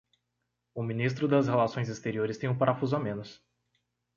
O Ministro das Relações Exteriores tem um parafuso a menos